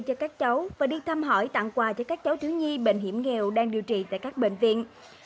cho các cháu và đi thăm hỏi tặng quà cho các cháu thiếu nhi bệnh hiểm nghèo đang điều trị tại các bệnh viện